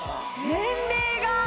年齢が！